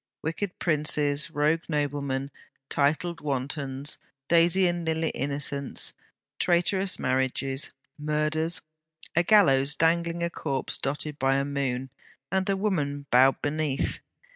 wicked princes, rogue noblemen, titled wantons, daisy and lily innocents, traitorous marriages, murders, a gallows dangling a corpse dotted by a moon, and a woman bowed beneath.